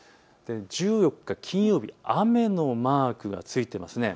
１４日、金曜日、雨のマークがついていますね。